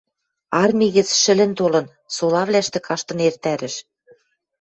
Арми гӹц шӹлӹн толын, солавлӓштӹ каштын эртӓрӹш.